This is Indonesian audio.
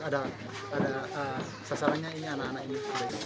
ada sasarannya ini anak anak ini